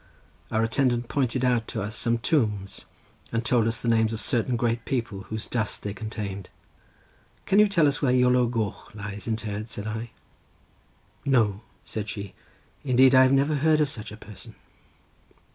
Our attendant pointed out to us some tombs, and told us the names of certain great people whose dust they contained. "Can you tell us where Iolo Goch lies interred?" said I. "No," said she; "indeed I never heard of such a person."